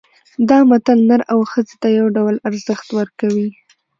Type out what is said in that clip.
دا متل نر او ښځې ته یو ډول ارزښت ورکوي